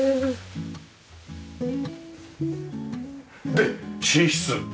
で寝室！